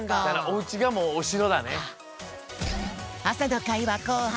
おうちがもうおしろだね。